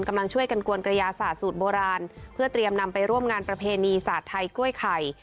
กำลังช่วยกันกวนกระยาศาสตร์สูตรโบราณเพื่อเตรียมนำไปร่วมงานประเพณีศาสตร์ไทยกล้วยไข่